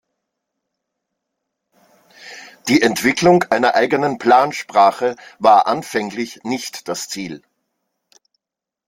Die Entwicklung einer eigenen Plansprache war anfänglich nicht das Ziel.